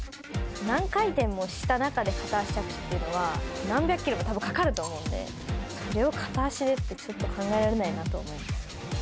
何回転もした中で片足着地っていうのは、何百キロもかかると思うので、それを片足でって、ちょっと考えられないなと思います。